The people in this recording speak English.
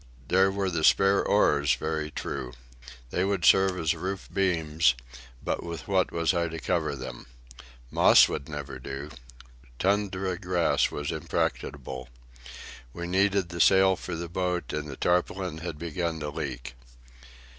There were the spare oars, very true. They would serve as roof beams; but with what was I to cover them? Moss would never do. Tundra grass was impracticable. We needed the sail for the boat, and the tarpaulin had begun to leak.